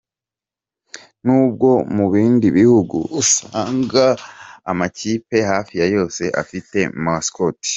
N’ubwo mu bindi bihugu usanga amakipe hafi ya yose afite Mascot.